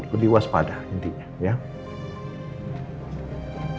kedua sepada intinya ya